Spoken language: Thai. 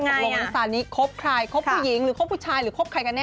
ตกลงซานิคบใครคบผู้หญิงหรือคบผู้ชายหรือคบใครกันแ